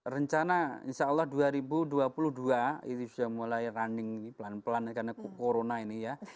rencana insya allah dua ribu dua puluh dua ini sudah mulai running pelan pelan karena corona ini ya